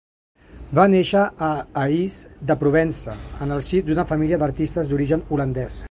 Va néixer a Ais de Provença, en el si d'una família d'artistes d'origen holandès.